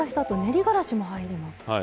あと練りがらしも入ります。